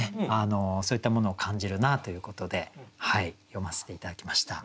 そういったものを感じるなということで詠ませて頂きました。